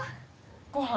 ご飯？